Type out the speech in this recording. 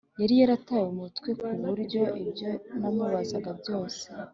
Yari yataye umutwe ku buryo ibyo namubazaga byose